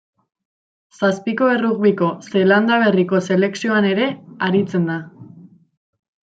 Zazpiko errugbiko Zeelanda Berriko selekzioan ere aritzen da.